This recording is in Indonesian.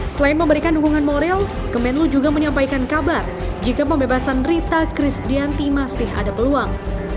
selain memberikan dukungan moral kemenlu juga menyampaikan kabar jika pembebasan rita krisdianti masih ada peluang